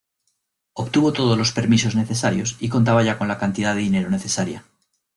Obtuvo todos los permisos necesarios y contaba ya con la cantidad de dinero necesaria.